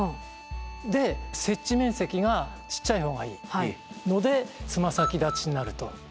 で接地面積がちっちゃい方がいいのでつま先立ちになると。